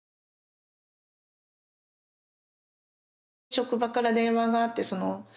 職場から電話があってそのね